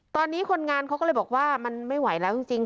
ตอนนี้คนงานเขาก็เลยบอกว่ามันไม่ไหวแล้วจริง